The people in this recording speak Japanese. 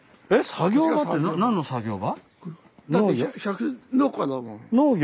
作業場って何の作業場？農業。